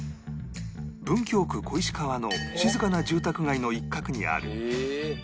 文京区小石川の静かな住宅街の一角にある